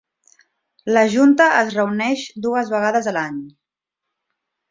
La junta es reuneix dues vegades l'any.